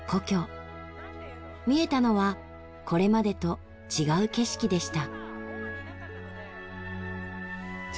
見えたのはこれまでと違う景色でした。